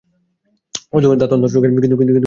অজগরের দাঁত অত্যন্ত শক্তিশালী, কিন্তু কোনো বিষদাঁত নেই।